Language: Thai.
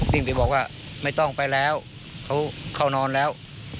วิ่งไปบอกว่าไม่ต้องไปแล้วเขาเข้านอนแล้ว